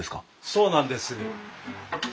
そうなんです。